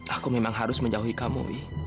aku memang harus menjauhi kamu